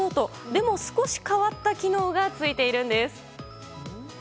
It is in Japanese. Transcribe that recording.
でも、少し変わった機能がついているんです。